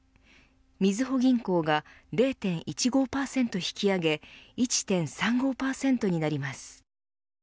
みずほ銀行が０．１５％引き上げ１．３５％になります。